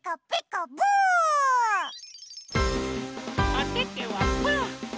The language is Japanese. おててはパー！